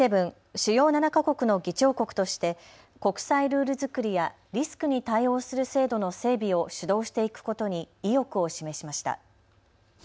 主要７か国の議長国として国際ルール作りやリスクに対応する制度の整備を主導していくことに意欲を示しました。